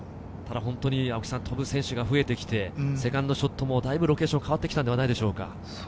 飛ぶ選手が増えてきて、セカンドショットもだいぶロケーションが変わってきたのではないでしょうか。